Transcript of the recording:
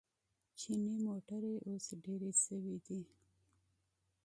چیني موټرې اوس ډېرې شوې دي.